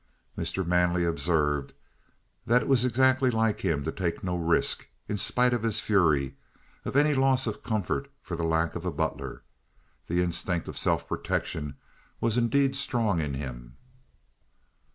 Mr. Manley observed that it was exactly like him to take no risk, in spite of his fury, of any loss of comfort from the lack of a butler. The instinct of self protection was indeed strong in him.